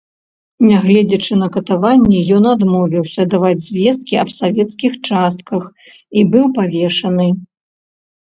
Нягледзячы на катаванні, ён адмовіўся даваць звесткі аб савецкіх частках, і быў павешаны.